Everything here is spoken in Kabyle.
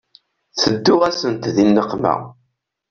Tedduɣ-asent di nneqma.